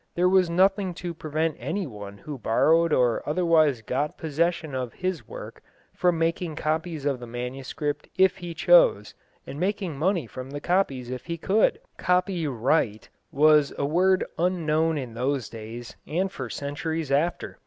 There was nothing to prevent anyone who borrowed or otherwise got possession of his work from making copies of the manuscript if he chose, and making money from the copies if he could. "Copyright" was a word unknown in those days, and for centuries after.